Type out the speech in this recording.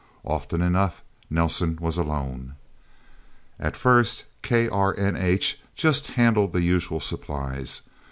Often enough, Nelsen was alone. At first, KRNH just handled the usual supplies.